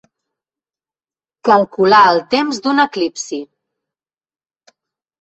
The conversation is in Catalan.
Calcular el temps d'un eclipsi.